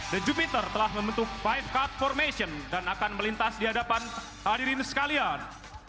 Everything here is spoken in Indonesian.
the jupiter telah membentuk fight cat formation dan akan melintas di hadapan hadirin sekalian